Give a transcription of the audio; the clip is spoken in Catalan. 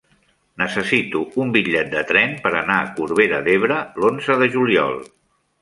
Necessito un bitllet de tren per anar a Corbera d'Ebre l'onze de juliol.